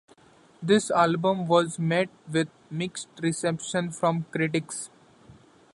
This album was met with mixed reception from critics.